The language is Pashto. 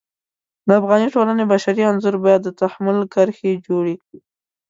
د افغاني ټولنې بشري انځور باید د تحمل کرښې جوړې کړي.